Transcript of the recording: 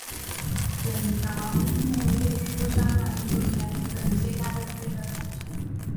本条目列出香港运动员于本届亚运会的表现。